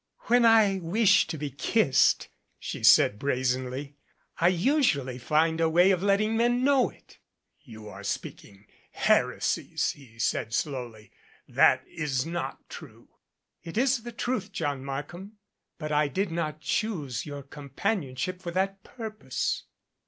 "When I wish to be kissed," she said brazenly, "I usu ally find a way of letting men know it." "You are speaking heresies," he said slowly. "That is not true." "It is the truth, John Markham. But I did not choose jour companionship for that purpose."